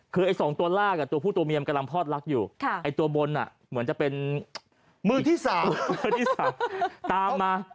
คือไอ้๒ตัวลากตัวผู้ตัวเมียมันกำลังพลอดรักอยู่ไอ้ตัวบนเหมือนจะเป็นมือที่๓มือที่๓ตามมา